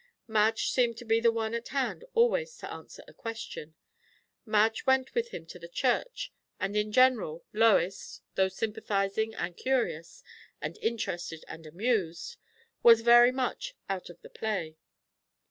Madge seemed to be the one at hand always to answer a question. Madge went with him to the church; and in general, Lois, though sympathizing and curious, and interested and amused, was very much out of the play.